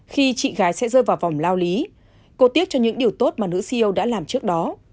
khi chị gái sẽ rơi vào vòng lao lý cô tiếc cho những điều tốt mà nữ siêu đã làm trước đó